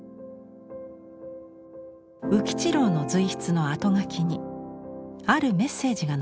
宇吉郎の随筆の後書きにあるメッセージが残されています。